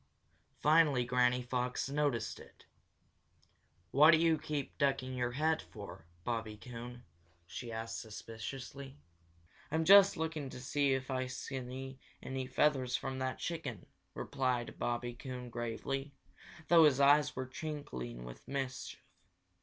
Finally Granny Fox noticed it. "What do you keep ducking your head for, Bobby Coon?" she asked suspiciously. "I'm just looking to see if I can see any feathers from that chicken," replied Bobby Coon gravely, though his eyes were twinkling with mischief.